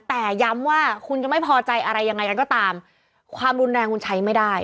แต่ย้ำว่าคุณจะไม่พอใจอะไรยังไงกันก็ตามความรุนแรงคุณใช้ไม่ได้